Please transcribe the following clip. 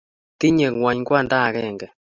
Tinye ng'wony kwanda agenge